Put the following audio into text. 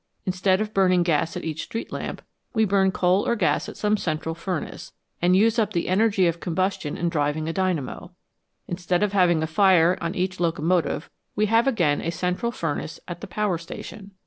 In stead of burning gas at each street lamp, we burn coal or gas at some central furnace, and use up the energy of combustion in driving a dynamo ; instead of having a fire on each locomotive we have again a central furnace at the power station.